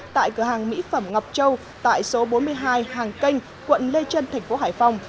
tại cửa hàng mỹ phẩm ngọc châu tại số bốn mươi hai hàng kênh quận lê trân thành phố hải phòng